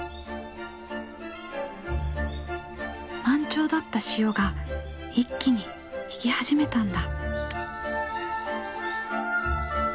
満潮だった潮が一気に引き始めたんだ。